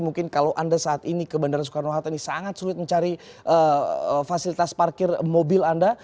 mungkin kalau anda saat ini ke bandara soekarno hatta ini sangat sulit mencari fasilitas parkir mobil anda